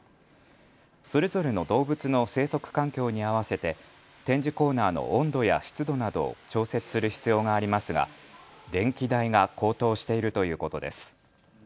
それぞれの動物の生息環境に合わせて展示コーナーの温度や湿度などを調節する必要がありますが電気代が高騰しているということです。